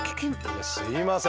いやすいません。